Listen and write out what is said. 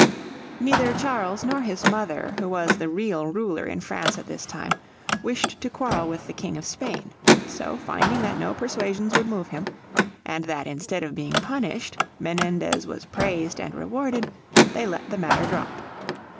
Neither Charles nor his mother, who was the real ruler in France at this time, wished to quarrel with the King of Spain. So finding that no persuasions would move him, and that instead of being punished Menendez was praised and rewarded, they let the matter drop.